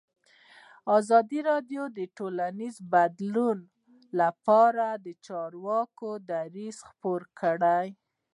ازادي راډیو د ټولنیز بدلون لپاره د چارواکو دریځ خپور کړی.